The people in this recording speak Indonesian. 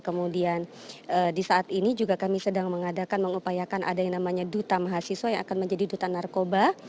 kemudian di saat ini juga kami sedang mengadakan mengupayakan ada yang namanya duta mahasiswa yang akan menjadi duta narkoba